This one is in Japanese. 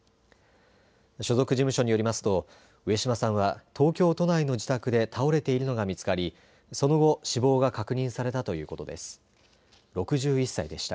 所属事務所によりますと上島さんは東京都内の自宅で倒れているのが見つかりその後、死亡が確認されたということです。